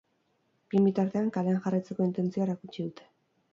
Bien bitartean, kalean jarraitzeko intentzioa erakutsi dute.